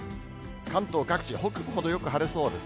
関東各地、北部ほどよく晴れそうです。